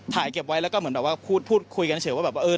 ถ่ายเก็บไว้แล้วก็เหมือนแบบว่าพูดคุยกันเฉยว่าแบบว่าเออ